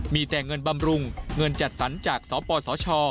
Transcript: มีแต่เงินบำรุงเงินจัดสรรจากสปสช